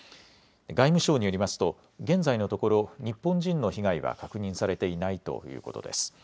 外務省によりますと現在のところ日本人の被害は確認されていないということです。